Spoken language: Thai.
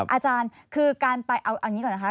อาจารย์คือการไปเอาอย่างนี้ก่อนนะคะ